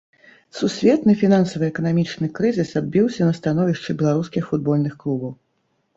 Сусветны фінансава-эканамічны крызіс адбіўся на становішчы беларускіх футбольных клубаў.